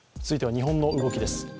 続いては、日本の動きです。